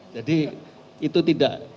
jadi itu tidak